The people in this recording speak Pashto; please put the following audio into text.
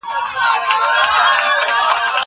زه اوس سندري اورم.